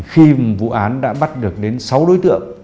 khi vụ án đã bắt được đến sáu đối tượng